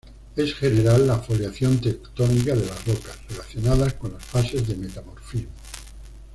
Es general la foliación tectónica de las rocas, relacionada con las fases de metamorfismo.